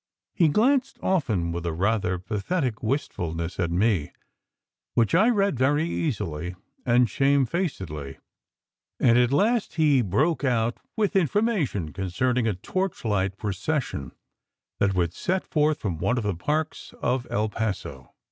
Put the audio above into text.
He glanced often with a rather pathetic wistfulness at me, which I read very easily and shamefacedly; and at last he broke out with information concerning a torchlight pro cession that would set forth from one of the parks of El Paso.